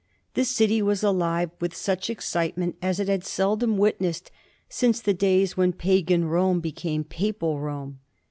The city was alive with such excitement as it had seldom witnessed since the days when pagan Rome became papal Rome.